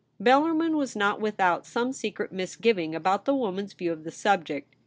Bellarmin was not without some secret miso^ivine about the woman's view of the subject.